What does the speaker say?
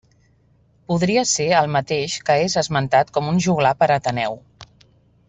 Podria ser el mateix que és esmentat com un joglar per Ateneu.